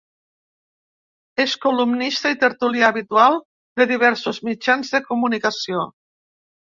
És columnista i tertulià habitual de diversos mitjans de comunicació.